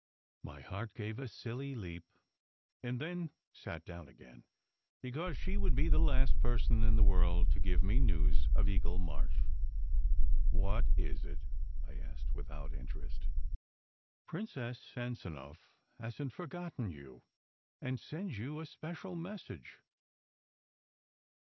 My heart gave a silly leap and then sat down again; because she would be the last person in the world to give me news of Eagle March. "What is it?" I asked, without interest. "Princess Sanzanow hasn t forgotten you, and sends you a special message."